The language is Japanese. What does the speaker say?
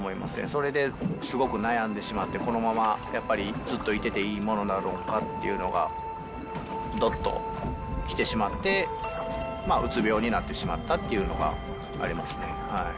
それですごく悩んでしまって、このままやっぱり、ずっといてていいものなのかっていうのが、どっと来てしまって、まあ、うつ病になってしまったっていうのがありますね。